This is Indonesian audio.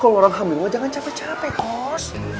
kalau orang hamilwa jangan capek capek kos